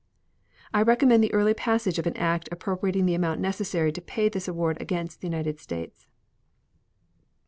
I recommend the early passage of an act appropriating the amount necessary to pay this award against the United States.